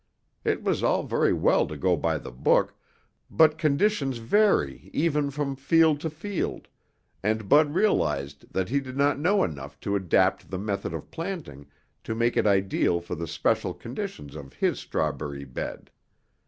It was all very well to go by the book, but conditions vary even from field to field, and Bud realized that he did not know enough to adapt the method of planting to make it ideal for the special conditions of his strawberry bed.